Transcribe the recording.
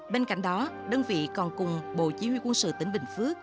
bên cạnh đó đơn vị còn cùng bộ chỉ huy quân sự tỉnh bình phước